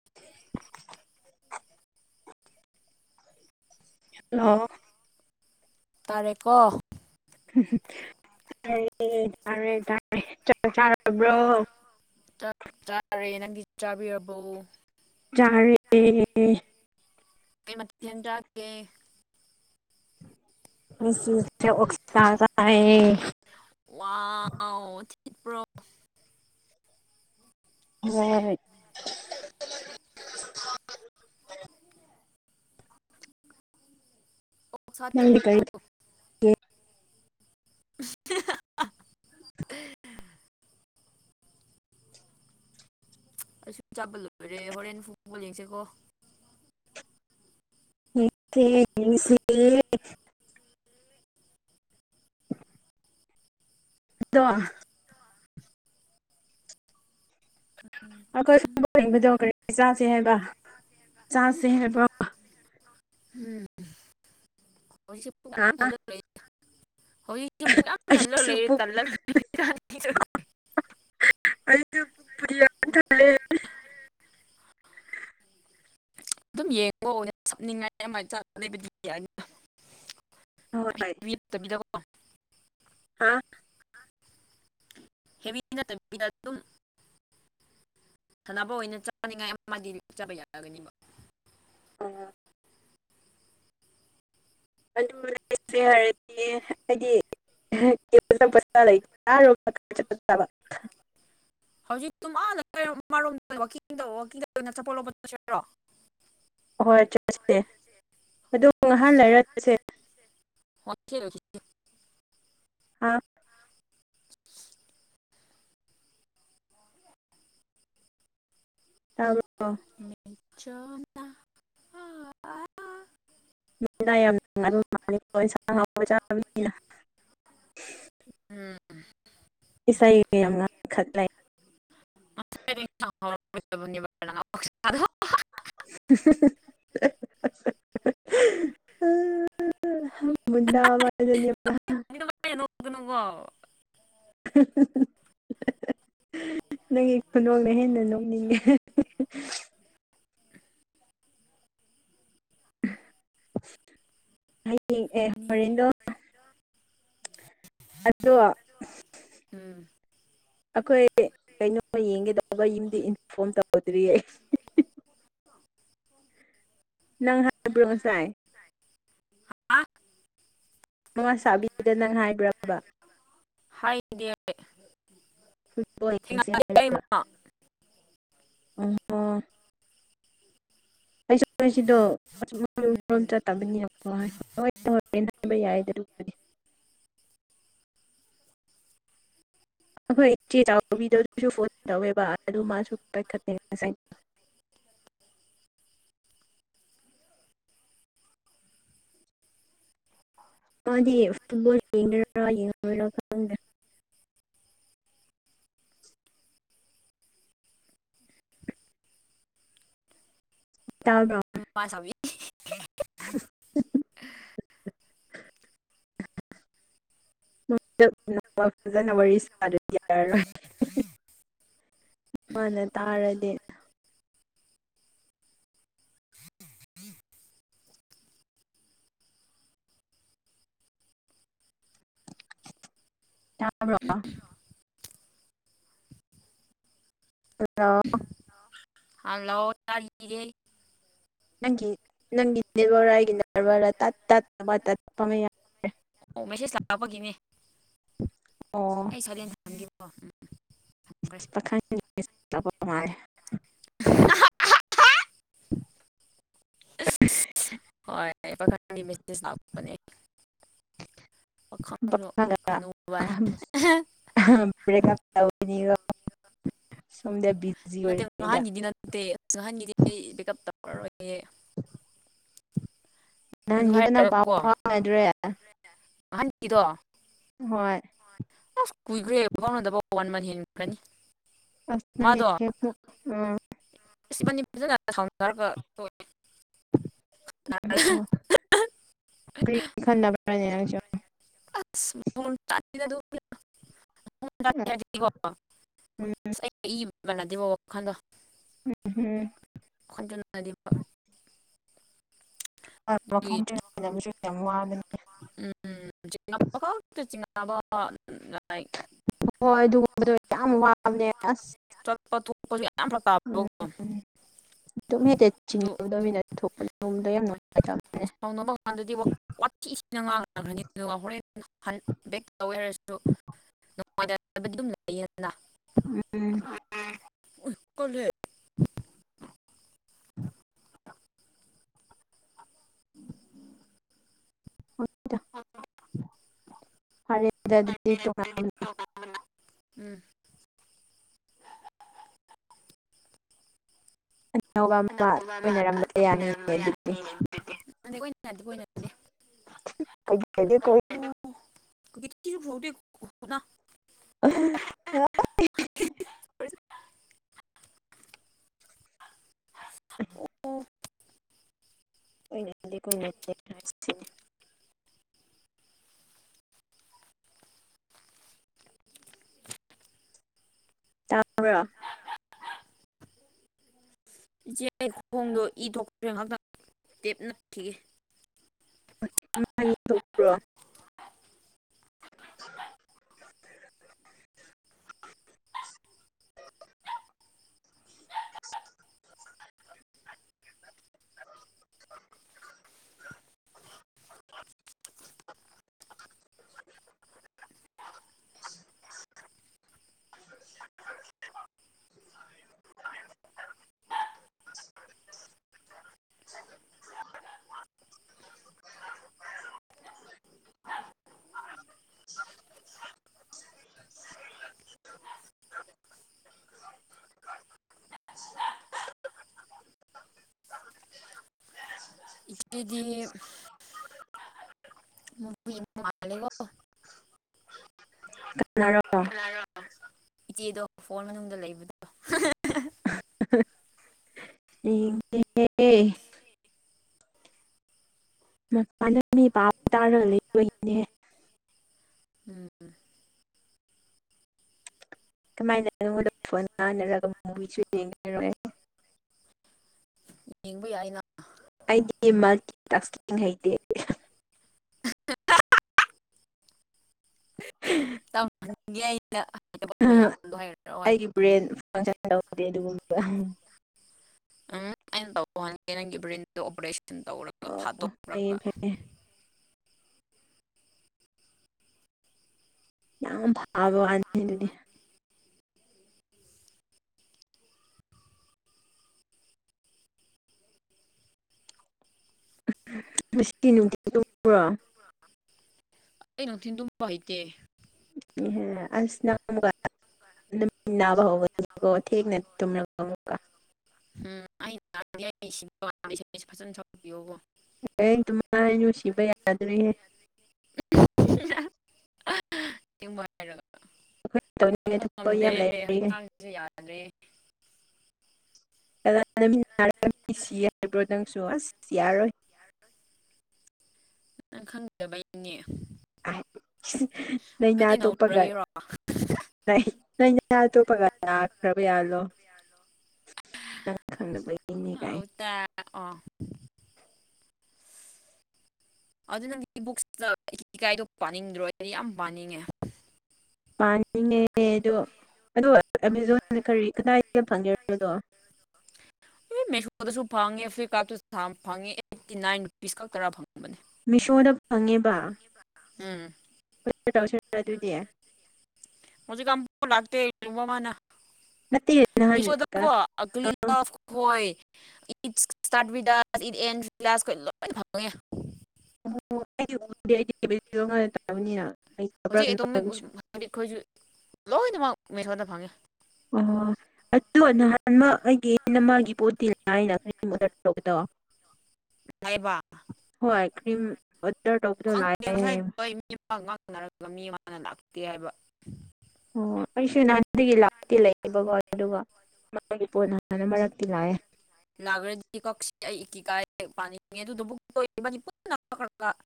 [unintelligible] Hello ꯇꯥꯔꯦꯀꯣ? ꯇꯔꯦ ꯇꯥꯔꯦ ꯇꯥꯔꯦ ꯆꯛ ꯆꯥꯔꯕ꯭ꯔꯣ? ꯆꯥꯛ ꯆꯥꯔꯦ꯫ ꯅꯪꯒꯤ ꯆꯥꯕꯤꯔꯕꯣ? ꯆꯥꯔꯦ꯫ ꯀꯩ ꯃꯊꯦꯜ ꯆꯒꯦ? ꯉꯁꯤ ꯃꯊꯦꯜ ꯄ‌ꯣꯛꯁꯥ ꯆꯍꯔꯦ꯫ ꯋꯥꯎ ꯊꯤꯠꯄ꯭ꯔꯣ [unintelligible] ꯅꯪꯗꯤ ꯀꯔꯤ [unintelligible] [unintelligible] ꯑꯩꯁꯨ ꯆꯥꯕ ꯂꯣꯏꯔꯦ ꯍꯣꯔꯦꯟ ꯐꯨꯕꯣꯜ ꯌꯦꯡꯁꯦꯀꯣ꯫ [unintelligible] ꯗꯣ ꯑꯩꯈꯣꯏ ꯍꯨꯠꯕꯣꯜ ꯌꯦꯡꯕꯗꯣ ꯀꯔꯤ ꯆꯥꯐꯝ ꯍꯥꯏꯕ ꯆꯥꯁꯦ ꯍꯥꯏꯕ꯭ꯔꯣ? [unintelligible] ꯍꯥ [unintelligible] ꯑꯩꯁꯨ ꯄꯨꯛ [unintelligible] [unintelligible] ꯑꯗꯨꯝ ꯌꯦꯡꯉꯣ ꯁꯞꯅꯤꯡꯉꯥꯏ ꯑꯗꯨꯃꯥꯏ ꯂꯩꯕꯗꯤ ꯍꯣꯏ ꯇꯥꯕꯤꯗꯕꯤꯀꯣ꯫ ꯍꯥ ꯍꯦꯕꯤꯗ ꯅꯠꯇꯕꯤꯗ ꯑꯗꯨꯝ, ꯁꯥꯟꯅꯕ ꯑꯣꯏꯅ ꯆꯥꯅꯤꯡꯉꯥꯏ ꯑꯃꯗꯤ ꯆꯥꯕ ꯌꯥꯔꯒꯅꯤꯕ꯫ [unintelligible] ꯑꯗꯨ ꯂꯩꯁꯦ ꯍꯥꯏꯔꯗꯤ ꯍꯥꯏꯗꯤ [unintelligible] [unintelligible] ꯑꯍꯣꯏ ꯆꯠꯁꯤꯁꯦ ꯑꯗꯨ ꯉꯍꯥꯚ ꯂꯩꯔ ꯆꯠꯁꯦ꯫ [unintelligible] ꯍꯥꯥ ꯇꯥꯕ꯭ꯔꯣ? [unintelligible] ꯃꯨꯟꯗꯥ ꯌꯥꯝ ꯅꯨꯡꯉꯥꯏꯕ ꯃꯜꯂꯤꯗ ꯏꯟꯁꯥꯡ ꯑꯍꯥꯎꯕ ꯆꯕꯅꯤꯅ꯫ ꯎꯝ ꯏꯁꯩ ꯌꯥꯝ ꯉꯡꯈꯠ ꯂꯦ꯫ [unintelligible] [unintelligible] [unintelligible] [unintelligible] [inaudible] [unintelligible] ꯅꯪꯒꯤ ꯈꯨꯅꯣꯛꯅ ꯍꯦꯟꯅ ꯅꯣꯛꯅꯤꯡꯉꯦ꯫ ꯎꯝ [inaudible] ꯑꯗꯣ ꯎꯝ꯫ ꯑꯩꯈꯣꯏ ꯀꯩꯅꯣꯃ ꯌꯦꯡꯒꯦ ꯇꯧꯕ ꯌꯨꯝꯗꯤ ꯏꯟꯐꯣꯔꯝ ꯇꯧꯗ꯭ꯔꯤꯌꯦ꯫ ꯅꯪ ꯍꯥꯏꯕ꯭ꯔꯣ ꯉꯥꯁꯥꯏ꯫ ꯑ ꯃꯃꯥ ꯁꯥꯕꯤꯗ ꯅꯪ ꯍꯥꯏꯕ꯭ꯔꯕ꯫ ꯍꯥꯏꯗꯦ꯫ ꯊꯦꯡꯅꯗꯦ ꯑꯩ ꯃꯥ [unintelligible] ꯎꯝ [inaudible] [inaudible] ꯑꯩꯈꯣꯏ ꯏꯆꯦ ꯆꯥꯎꯕꯤꯗꫭ ꯑꯗꯨꯁꯨ ꯐꯣꯟ ꯇꯧꯋꯦꯕ ꯑꯗꯨ ꯃꯥꯁꯨ ꯄꯥꯏꯈꯠꯇꯦ ꯉꯥꯁꯥꯏ꯫ ꯃꯥꯗꯤ ꯐꯨꯠꯕꯣꯜ ꯌꯦꯡꯗꫠꯔꯥ ꯌꯦꯡꯉꫭꯏꯔꯥ ꯈꯪꯗꯦ꯫ ꯇꯥꯕ꯭ꯔꫭ꯫ [inaudible] [unintelligible] [inaudible] ꯃꯥꯅ ꯇꯥꯔꯗꯤ ꯇꯥꯕ꯭ꯔꫭ꯫ ꯍꯜꯂꯣ꯫ ꯍꯜꯂꯣ ꯇꯔꯤꯌꯦ꯫ ꯅꯪꯒꯤ ꯅꯦꯠꯋꯥꯔꯛꯔ ꯑꯩꯒꯤ ꯅꯦꯠꯋꯥꯔꯛꯔ ꯇꯥꯠ ꯇꯥꯠ ꯑꯃꯥ ꯇꯠꯄ ꯌꯧ ꯑꯣ ꯃꯦꯁꯦꯖ ꯂꯥꯛꯄꯒꯤꯅꯦ꯫ ꯑꯣ꯫ ꯀꯩ ꯁꯂꯦꯅ ꯊꯝꯒꯦꯀꫭ꯫ [inaudible] ꯍꯣꯏ ꯄꯥꯈꯪꯒꯤ ꯃꯦꯁꯦꯖ ꯂꯥꯛꯄꯅꯦ꯫ ꯄꯥꯈꯪꯒ [inaudible] [unintelligible] ꯁꯣꯝꯗ ꯕꯤꯖꯤ ꯅꯠꯇꯦ ꯑꯣꯏꯔꯤꯉꯩꯗ꯫ ꯅꯍꯥꯟꯒꯤꯗꯤ ꯅꯠꯇꯦ ꯅꯍꯥꯟꯒꯤꯗꯤ ꯄꯛꯑꯞ ꯇꯧꯔꯔꯣꯏꯌꯦ꯫ [inaudible] ꯑꯍꯥꯟꯒꯤꯗꯣ꯫ ꯍꯣꯏ꯫ ꯑꯁ ꯀꯨꯏꯈ꯭ꯔꯦ ꯐꯥꯎꯅꯗꯕ ꯋꯥꯟ ꯃꯟꯊ ꯍꯦꯟꯈ꯭ꯔꯅꯤ꯫ ꯃꯥꯗꯣ [inaudible] ꯑꯁ ꯏꯕꯅꯤ ꯐꯖꯟꯅ ꯁꯥꯎꯅꯥꯔꯒꯥ ꯇꯣꯛꯑꯦ꯫ ꯀꯔꯤ ꯈꯟꯅꯕ꯭ꯔꯅꯦ ꯅꯪꯁꯨ [unintelligible] [inaudible] ꯎꯝ [inaudible] [unintelligible] [inaudible] ꯑꯗꯨꯒꯤ [unintelligible] [inaudible] ꯎꯝ [unintelligible] ꯍꯣꯏ ꯑꯗꯨꯒꯨꯝꯕꯗꯣ ꯍꯣꯏ ꯌꯥꯝ ꯄꯨꯕꯗꯣ ꯋꯥꯕꯅꯦ ꯑꯁ ꯋꯥꯕꯅꯦ ꯆꯠꯄ ꯊꯣꯛꯄꯥ ꯁꯨ ꯌꯥꯝ ꯐꯥꯔꯛ ꯇꯕꯗ‌ꯣ ꯗꯨꯝ ꯍ‌ꯦꯛꯇ ꯆꯤꯡꯅꯗꯝꯃꯤꯅ ꯊꯣꯛꯄ ꯔ‌ꯣꯝꯗ ꯌꯥꯝ ꯅꯨꯉꯥꯏꯇꯝ ꯍꯥꯟꯅ ꯃꯃꯥꯡ ꯗꯗꯤ ꯕ‌ꯣ ꯋꯥꯊꯤꯁꯤꯅ ꯉꯥꯡꯈꯒꯔꯅꯤ ꯑꯗꯨꯒ ꯍꯣꯔꯦꯟ ꯍꯟ ꯕꯦꯛ ꯇꯧꯋꯦ ꯍꯥꯏꯔꯁꯨ ꯅꯨꯡꯉꯥꯏꯇꯕꯗꯤ ꯗꯨꯝ ꯂꯩꯌꯦ ꯗꯅ ꯎꯝ [unintelligible] ꯎꯝ ꯀ‌ꯣꯂ‌ꯦ [inaudible] [inaudible] ꯐꯔꯦ ꯗ ꯑꯗꯨꯗꯤ ꯇꯣꯉꯥꯟꯅ [unintelligible] ꯎꯝ ꯇꯣꯉꯥꯟꯅꯕ ꯑꯃ ꯂꯣꯏꯅꯔꯝꯕ ꯌꯥꯅꯤꯅꯦ ꯑꯗꯨꯗꯤ [unintelligible] [unintelligible] [unintelligible] [unintelligible] [unintelligible] ꯑꯣꯏꯅꯕꯗꯤ ꯀ‌ꯣꯏꯅꯕꯗꯤ ꯀꯂꯥꯁ ꯊ‌ꯦꯟꯅ‌ꯦ [unintelligible] ꯏꯆꯦ ꯑꯩ ꯈꯣꯡꯗꯣ ꯏ ꯊꯣꯛꯈꯔ‌ꯦ ꯉꯍꯥꯛꯇꯪ ꯇꯦꯞ ꯅꯞꯈꯤꯒꯦ [unintelligible] [unintelligible] [unintelligible] [unintelligible] [inaudible] ꯏꯆꯦ ꯗꯤꯝ ꯑꯈ‌ꯣꯏ ꯌꯨꯝꯗ ꯃꯥꯂ‌ꯦꯒ‌ꯣ ꯀꯅꯔ‌ꯣ ꯀꯅꯥꯔꯣ ꯏꯆꯦꯗꯣ ꯐꯣꯟ ꯃꯅꯨꯡꯗ ꯂꯩꯕꯗꯣ [unintelligible] ꯑ‌ꯦ ꯑꯦ ꯃꯄꯥꯟꯗ ꯃꯤ ꯄꯥꯎ ꯇꯥꯔ ꯂꯩꯕꯒꯤꯅꯦ ꯎꯝ ꯀꯃꯥꯏꯅ ꯑꯩꯉ‌ꯣꯟꯗ ꯐ‌ꯣꯟ ꯄꯥꯏꯅꯔꯒ [unintelligible] ꯌꯦꯡꯕ ꯌꯥꯏꯅ ꯑꯩꯗꯤ ꯃꯜꯇꯤ ꯇꯥꯛꯁ꯭ꯀꯤꯡ ꯍꯩꯇꯦ [unintelligible] ꯇꯝꯍꯟꯒꯦ ꯑꯩꯅ ꯍꯩꯇꯕ ꯃꯌꯥꯝꯗꯣ ꯍꯩꯔꯛꯑꯣꯏ ꯇꯝꯍꯟ [unintelligible] ꯇꯧꯗ‌ꯦ ꯑꯗꯨꯒꯨꯝꯕ ꯎꯝ ꯑꯩꯅ ꯇꯧ ꯍꯟꯒꯦ ꯅꯪꯒꯤ ꯕ꯭ꯔ‌ꯦꯟꯗ‌ꯣ ꯑꯣꯄꯔꯦꯁꯟ ꯇꯧꯔꯒ ꯑꯣ ꯐꯩꯌꯦ ꯐꯥꯠꯇꯣꯛ꯭ꯔꯒ ꯐꯩꯌꯦ ꯌꯥꯝ ꯐꯥꯕ ꯋꯥꯅ‌ꯦ ꯑꯗꯨꯗꯤ ꯉꯁꯤꯒꯤ ꯅꯨꯡꯊꯤꯜ ꯇꯨꯝꯕ꯭ꯔꯣ ꯑꯩ ꯅꯨꯡꯊꯤꯟ ꯇꯨꯝꯕ ꯍꯩꯇ‌ꯦ ꯉꯤꯍ‌ꯦ ꯑꯁ ꯅꯪ ꯑꯃꯨꯛꯀ ꯅꯃꯤꯠ ꯅꯥꯕ ꯍꯧꯒꯅꯤꯀꯣ ꯊꯦꯡꯅ ꯇꯨꯝꯔꯥ ꯑꯥ [inaudible] [inaudible] ꯑꯩꯈꯣꯏ ꯇꯧꯅꯤꯡꯉꯥꯏ ꯊꯕꯛ ꯌꯥꯝ ꯂꯩꯔꯤꯍꯦ [inaudible] [inaudible] ꯅꯪ ꯈꯪꯗꯕꯩꯅꯦ꯫ ꯑꯥꯏ ꯑꯁ ꯂꯩꯅꯥ ꯍꯥꯏꯗꯤ ꯑꯇ‌ꯣꯞꯄꯒ ꯅꯧꯔꯒꯤꯔꯣ [unintelligible] ꯅꯪ ꯈꯪꯗꯕ‌ꯩ꯫ [unintelligible] [inaudible] [inaudible] [inaudible] ꯃꯤꯁꯣꯗ ꯐꯪꯉꯦꯕꯥ꯫ ꯎꯝ꯫ [inaudible] ꯅꯠꯇꯦ ꯅꯍꯥꯟ [inaudible] [unintelligible] [inaudible] [inaudible] ꯑꯣ ꯍꫭꯏ꯫ ꯑꯗꯣ ꯅꯍꯥꯟꯃꯛ ꯑꯩꯒꯤ ꯏꯅꯃꯒꯤ ꯄꯣꯠꯇꯤ ꯂꯥꯏꯅ ꯈꫭꯏꯅ ꯑꯣꯗꯔ ꯇꯧꯕꯗꫭ꯫ ꯂꯥꯛꯑꯦꯕꯥ꯫ ꯍ‌ꯣꯏ ꯀ꯭ꯔꯤꯝ ꯑꯣꯔꯗꯔ ꯇꯧꯕꯗꯨ ꯈꯪꯗꯦ ꯂꯛꯑꯦ ꯍꯥꯏꯑꯦ꯫ [inaudible] [inaudible] ꯑꯣ ꯑꯩꯁꯨ ꯅꯍꯥꯟꯗꯒꯤ ꯂꯥꯛꯇ‌ꯦ ꯂꯩꯌꯦꯕꯀꯣ꯫ ꯑꯗꯨꯒ ꯃꯥꯒꯤ ꯄꯣꯠ ꯅꯍꯥꯟ ꯑꯃꯔꯛꯇꯤ ꯂꯥꯛꯑꯦ꯫ [unintelligible]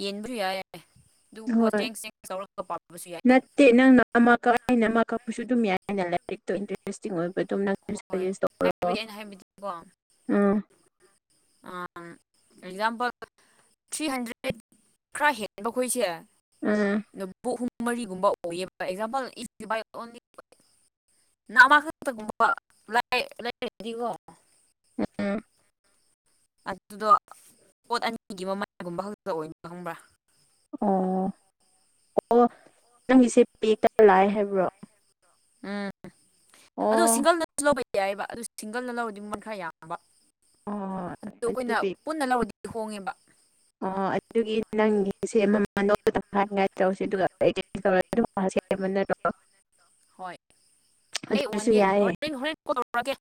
ꯌꯦꯟꯕ ꯌꯥꯏ ꯑꯗꯨꯕꯨ ꯆꯦꯡ ꯆꯦꯡ ꯇꯧꯔꯒ ꯄꯥꯕꯁꯨ ꯌꯥꯏ꯫ ꯇꯦ ꯅꯪꯅ ꯑꯃ ꯀꯛꯑ ꯑꯩꯅ ꯑꯃ ꯀꯛꯄꯁꯨ ꯑꯗꯨꯝ ꯌꯥꯏꯑꯦꯅ ꯂꯥꯏꯔꯤꯛꯇꯣ ꯏꯟꯇꯔꯦꯁꯇꯤꯡ ꯑꯣꯏꯕ ꯑꯗꯨꯝ ꯅꯪ [inaudible] ꯍꯣꯏ ꯍꯥꯏꯕꯗꯤ ꯑꯩꯅ ꯍꯥꯏꯕꯗꯤꯀꯣ ꯑꯝ ꯑꯦꯛꯖꯥꯝꯄꯜ ꯊ꯭ꯔꯤ ꯍꯟꯗ꯭ꯔꯦꯠ ꯈꯔ ꯍꯦꯟꯕꯈꯣꯏꯁꯦ ꯎꯝ꯫ ꯅꯕꯨꯛ ꯍꯨꯝ ꯃꯔꯤꯒꯨꯝꯕ ꯑꯣꯏꯌꯦꯕ ꯑꯦꯛꯖꯥꯝꯄꯜ ꯏꯁ ꯗꯤꯚꯤꯁ ꯑꯣꯟꯂꯤ [unintelligible] [inaudible] ꯑꯗꯨꯗꯣ ꯄꯣꯠ ꯑꯅꯤꯒꯤ ꯃꯃꯟꯒꯨꯝꯕ ꯈꯛꯇꯗ ꯑꯣꯏꯅ ꯈꯪꯕ꯭ꯔꯥ꯫ ꯑꯣ ꯑꯣ ꯅꯪꯒꯤꯁꯦ ꯄꯦꯛꯇ ꯂꯥꯛꯑꯦ ꯍꯥꯏꯕ꯭ꯔꯣ꯫ ꯎꯝ ꯑꯣ ꯑꯗꯨ ꯁꯤꯡꯒꯜꯅꯁꯨ ꯂꯧꯕ ꯌꯥꯏꯑꯦꯕ ꯑꯗꯨ ꯁꯤꯡꯒꯜꯅ ꯂꯧꯔꯗꯤ ꯃꯟ ꯈꯔ ꯌꯥꯝ ꯕ ꯑꯣ ꯑꯗꯨ ꯑꯩꯈꯣꯏꯅ ꯄꯨꯟꯅ ꯂꯧꯔꯗꯤ ꯍꯣꯡꯉꯦꯕ꯫ ꯑꯣ ꯑꯗꯨꯒꯤ ꯅꯪꯒꯤꯁꯦ ꯑꯃꯟꯃꯝ ꯂꯧ [unintelligible] ꯍꯣꯏ ꯑꯩ ꯎꯍꯟꯒꯦ ꯌꯥꯏꯌꯦ ꯍꯣꯔꯦꯟ ꯍꯣꯔꯦꯟ ꯀ‌ꯣꯜ ꯇꯧꯔꯛꯀ‌ꯦ꯫